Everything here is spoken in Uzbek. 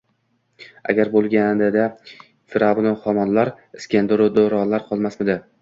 Agar bo‘lganida Fir’avnu Homonlar, Iskandaru Dorolar qolmasmidi?!.